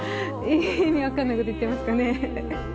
意味分かんないこと言ってますかね？